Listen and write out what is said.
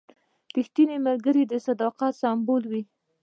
رښتینی ملګری د صداقت سمبول وي.